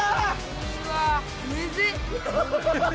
うわ！